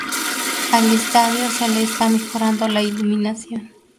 Al estadio se le está mejorando la iluminación.